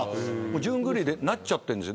順繰りになっちゃってるんです。